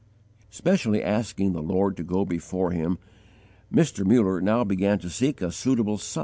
Specially asking the Lord to go before him, Mr. Muller now began to seek a suitable _site.